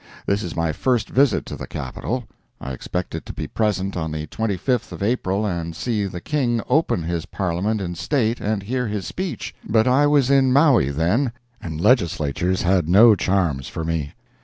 This is my first visit to the Capitol. I expected to be present on the 25th of April and see the King open his Parliament in state and hear his speech, but I was in Maui then and Legislatures had no charms for me.